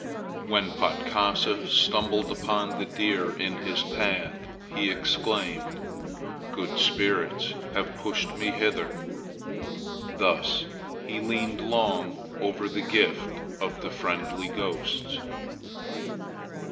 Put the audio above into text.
When Patkasa stumbled upon the deer in his path, he exclaimed: "Good spirits have pushed me hither!" Thus he leaned long over the gift of the friendly ghosts.